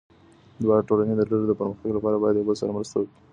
دواړه ټولني او ډلونه د پرمختګ لپاره باید یو بل سره مرسته وکړي.